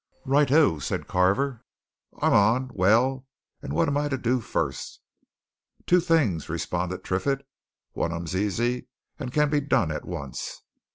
"Right oh!" said Carver. "I'm on. Well, and what am I to do, first?" "Two things," responded Triffitt. "One of 'em's easy, and can be done at once.